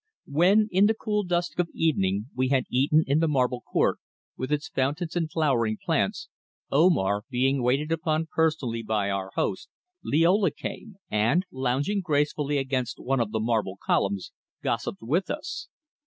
When, in the cool dusk of evening we had eaten in the marble court, with its fountains and flowering plants, Omar being waited upon personally by our host, Liola came, and, lounging gracefully against one of the marble columns, gossipped with us.